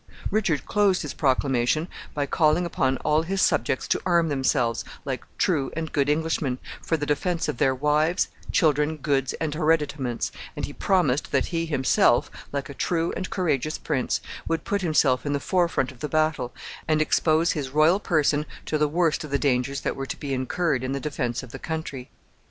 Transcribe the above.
Richard closed his proclamation by calling upon all his subjects to arm themselves, like true and good Englishmen, for the defense of their wives, children, goods, and hereditaments, and he promised that he himself, like a true and courageous prince, would put himself in the forefront of the battle, and expose his royal person to the worst of the dangers that were to be incurred in the defense of the country.